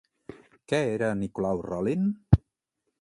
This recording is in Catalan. Què era Nicolau Rolin?